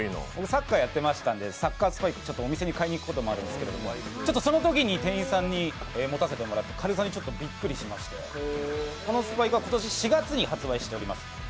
サッカーやってましたんでサッカースパイクお店に買いに行くこともあるんですけどそのときに店員さんに持たせてもらって軽さにびっくりして、このスパイクは今年４月に発売しております。